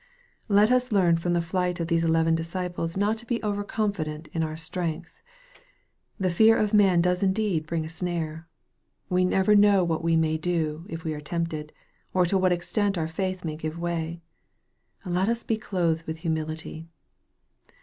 Let us learn from the flight of these eleven disciples not to be over confident in our own strength. The fear of man does indeed bring a snare. We never know what we may do, if we are tempted, or to what extent our faith may give way. Let us be clothed with hu mility.